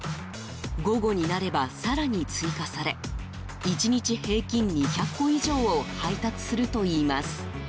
午後になれば、更に追加され１日平均２００個以上を配達するといいます。